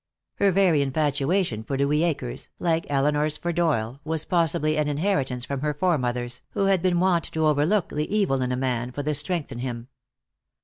Her very infatuation for Louis Akers, like Elinor's for Doyle, was possibly an inheritance from her fore mothers, who had been wont to overlook the evil in a man for the strength in him.